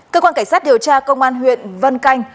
cơ quan cảnh sát điều tra công an huyện vân canh